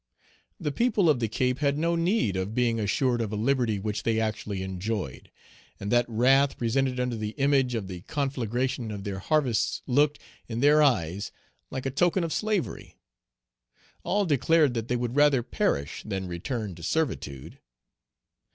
The people of the Cape had no need of being assured of a liberty which they actually enjoyed; and that wrath presented under the image of the conflagration of their harvests looked, in their eyes, like a token of slavery. All declared that they would rather perish than return to servitude.